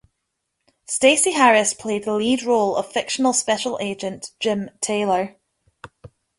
Stacy Harris played the lead role of fictional Special Agent Jim Taylor.